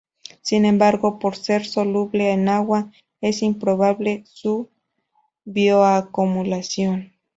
Sin embargo, por ser soluble en agua, es improbable su bioacumulación.